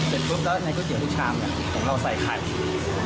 เสร็จปุ๊บแล้วในก๋วยเตี๋ยวลูกชามผมเล่าใส่ไข่